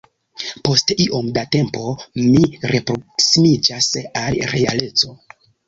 Post iom da tempo, mi reproksimiĝas al realeco.